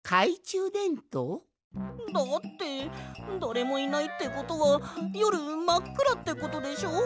だってだれもいないってことはよるまっくらってことでしょ？